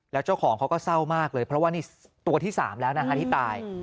แล้วเจ้าของเขาก็เศร้ามากเลยเพราะว่านี่ตัวที่๓แล้วนะคะที่ตาย